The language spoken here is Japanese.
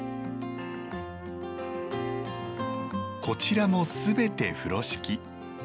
こちらもすべて風呂敷。